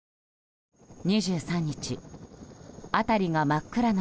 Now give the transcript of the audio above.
２３日、辺りが真っ暗な